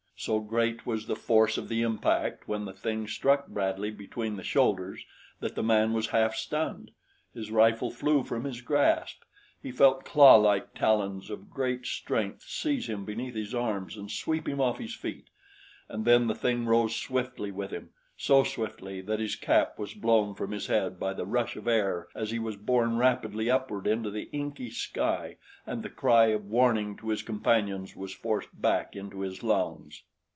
So great was the force of the impact when the thing struck Bradley between the shoulders that the man was half stunned. His rifle flew from his grasp; he felt clawlike talons of great strength seize him beneath his arms and sweep him off his feet; and then the thing rose swiftly with him, so swiftly that his cap was blown from his head by the rush of air as he was borne rapidly upward into the inky sky and the cry of warning to his companions was forced back into his lungs.